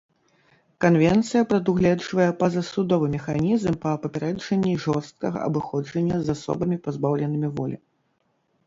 Канвенцыя прадугледжвае пазасудовы механізм па папярэджанні жорсткага абыходжання з асобамі, пазбаўленымі волі.